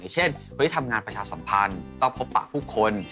อย่างเช่นคนที่ทำงานประชาสัมพันธ์ต้องพบประผู้คน